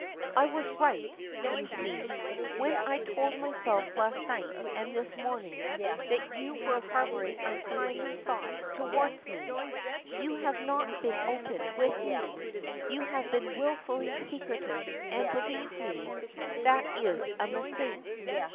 I was right, you see, when I told myself last night and this morning that you were harboring unkindly thoughts toward me. You have not been open with me, you have been willfully secretive, and, believe me, that is a mistake.